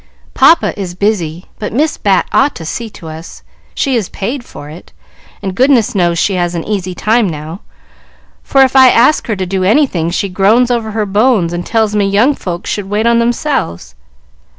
"Papa is busy, but Miss Bat ought to see to us; she is paid for it, and goodness knows she has an easy time now, for if I ask her to do anything, she groans over her bones, and tells me young folks should wait on themselves.